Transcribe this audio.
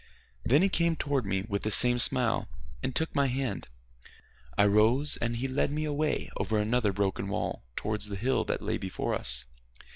Then he came towards me with the same smile, and took my hand. I rose, and he led me away over another broken wall towards the hill that lay before us.